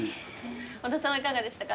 小田さんはいかがでしたか？